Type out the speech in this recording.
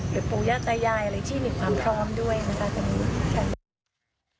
หรือปุญญาตายายอะไรที่มีความพร้อมด้วยนะครับ